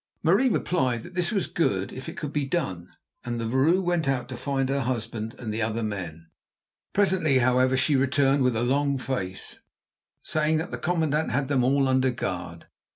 Marie replied that this was good if it could be done, and the vrouw went out to find her husband and the other men. Presently, however, she returned with a long face, saying that the commandant had them all under guard.